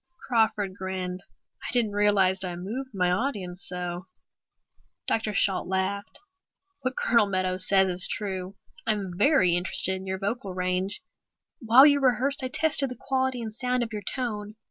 Crawford grinned. "I didn't realize I moved my audience so." Dr. Shalt laughed. "What Colonel Meadows says is true. I'm very interested in your vocal range. While you rehearsed I tested the quality and sound of your tone."